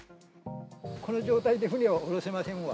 この状態で船はおろせませんわ。